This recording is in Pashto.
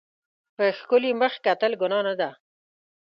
په ښکلي مخ کتل ګناه نه ده.